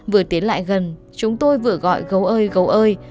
vừa tiến lại gần chúng tôi vừa gọi gấu ơi gấu ơi